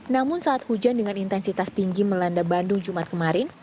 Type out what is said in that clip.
namun saat hujan dengan intensitas tinggi melanda bandung jumat kemarin